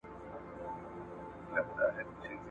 مابــه څشي له دې قهره پـه امــــان کـــــي